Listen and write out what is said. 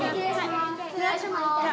失礼します。